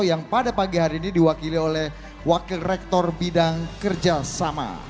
yang pada pagi hari ini diwakili oleh wakil rektor bidang kerjasama